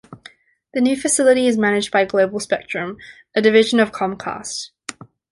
The new facility is managed by Global Spectrum, a division of Comcast.